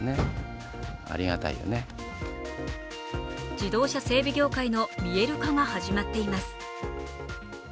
自動車整備業界の見える化が始まっています